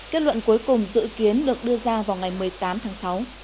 kết luận cuối cùng dự kiến được đưa ra vào ngày một mươi tám tháng sáu